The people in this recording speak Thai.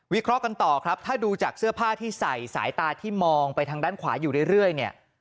เคราะห์กันต่อครับถ้าดูจากเสื้อผ้าที่ใส่สายตาที่มองไปทางด้านขวาอยู่เรื่อยเนี่ย